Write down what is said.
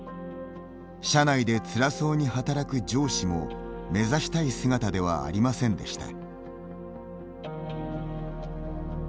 社内でつらそうに働く上司も目指したい姿ではありませんでした。